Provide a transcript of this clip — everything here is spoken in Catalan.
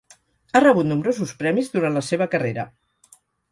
Ha rebut nombrosos premis durant la seva carrera.